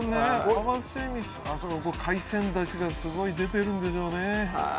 海鮮だしがすごい出てるんでしょうね。